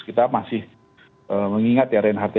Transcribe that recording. kita masih mengingat ya renhart ya